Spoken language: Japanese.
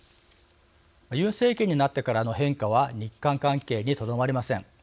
ユン政権になってからの変化は日韓関係にとどまりません。